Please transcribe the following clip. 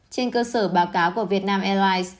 trên cơ sở báo cáo của vietnam airlines